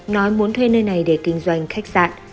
nói muốn thuê nơi này để kinh doanh khách sạn